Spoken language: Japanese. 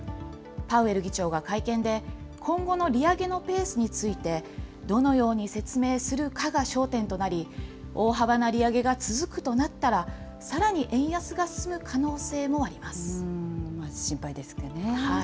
パウエル議長が会見で、今後の利上げのペースについて、どのように説明するかが焦点となり、大幅な利上げが続くとなったら、さら心配ですけどね。